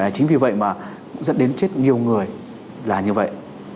chính vì vậy mà dẫn đến chết nhiều người là như vậy